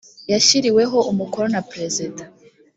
yashyiriweho umukono na perezida